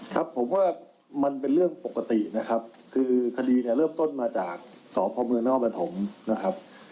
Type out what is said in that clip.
ครับผมว่ามันเป็นเรื่องปกตินะครับคือคดีเนี่ยเริ่มต้นมาจากสพเมืองนครปฐมนะครับ